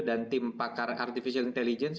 dan tim pakar artificial intelligence